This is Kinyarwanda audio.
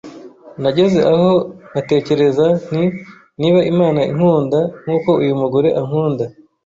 nageze aho nkatekereza nti niba Imana inkunda nk’uko uyu mugore ankunda,